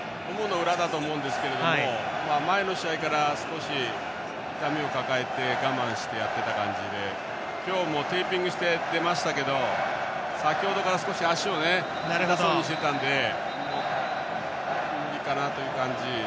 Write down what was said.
ももの裏だと思うんですが前の試合から少し痛みを抱えて我慢してやってた感じで今日もテーピングして出ましたけど、先ほどから少し足を痛そうにしていたので無理かなという感じ。